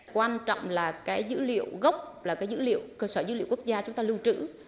quan trọng là cái dữ liệu gốc là cái dữ liệu cơ sở dữ liệu quốc gia chúng ta lưu trữ